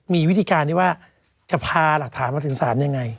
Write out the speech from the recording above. มีวิธีการที่ว่าจะพาหลักฐานมาถึงศาลยังไง